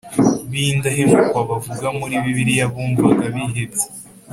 b indahemuka bavugwa muri Bibiliya bumvaga bihebye